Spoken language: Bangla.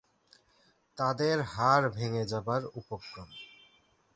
তাদের হাড় ভেঙ্গে যাবার উপক্রম।